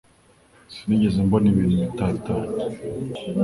Sinigeze mbona ibintu bitatanye.